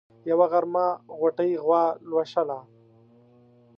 يوه غرمه غوټۍ غوا لوشله.